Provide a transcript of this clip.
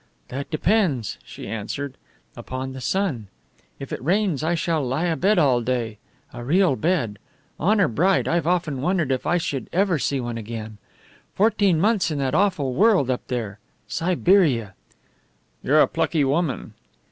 "That depends," she answered, "upon the sun. If it rains I shall lie abed all day. A real bed! Honour bright, I've often wondered if I should ever see one again. Fourteen months in that awful world up there! Siberia!" "You're a plucky woman."